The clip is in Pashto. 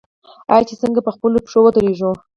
آیا چې څنګه په خپلو پښو ودریږو؟